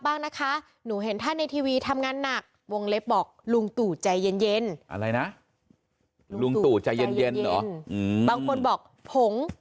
บางคนบอกหง